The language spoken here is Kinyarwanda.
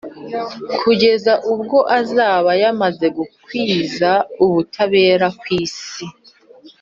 kugeza ubwo azaba yamaze gukwiza ubutabera ku isi,